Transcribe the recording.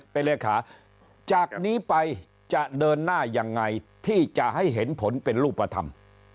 เป็นเลขาจากนี้ไปจะเดินหน้ายังไงที่จะให้เห็นผลเป็นรูปธรรม